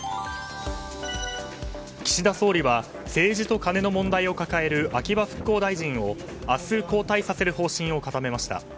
岸田総理は政治とカネの問題を抱える秋葉復興大臣を明日交代させる方針を固めました。